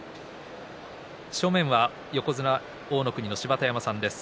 正面は横綱大乃国の芝田山さんです。